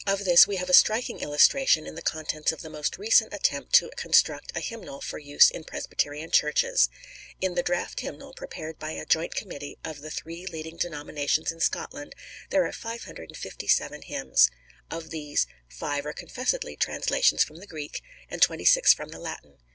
Of this we have a striking illustration in the contents of the most recent attempt to construct a hymnal for use in Presbyterian Churches. In the "Draft Hymnal," prepared by a joint committee of the three leading denominations in Scotland, there are 557 hymns. Of these, five are confessedly translations from the Greek, and twenty six from the Latin.